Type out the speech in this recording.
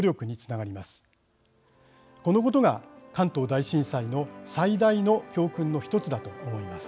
このことが関東大震災の最大の教訓のひとつだと思います。